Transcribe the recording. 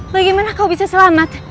bagaimana kau bisa selamat